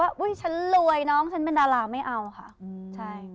ว่าฉันรวยน้องฉันเป็นดาราไม่เอาค่ะ